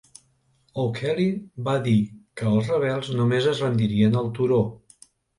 O'Kelly va dir que els rebels només es rendirien al turó.